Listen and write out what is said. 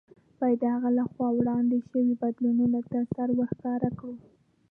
باید د هغه له خوا وړاندې شویو بدلوونکو ته سر ورښکاره کړو.